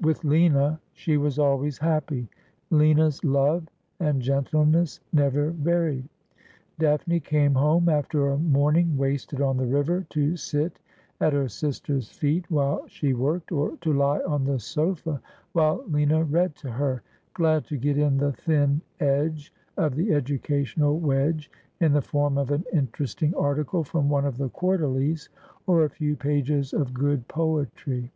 "With Lina she was always happy. Lina's love and gentle ness never varied. Daphne came home after a morning wasted on the river, to sit at her sister's feet while she worked, or to lie on the sofa 92 Asphodel. while Lina read to her, glad to get in the thin edge of the edu cational wedge in the form of an interesting article from one of the Quarterlies, or a few pages of good poetry.